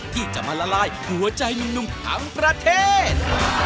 ที่จะมาละลายหัวใจหนุ่มทั้งประเทศ